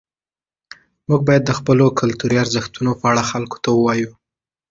موږ باید د خپلو کلتوري ارزښتونو په اړه خلکو ته ووایو.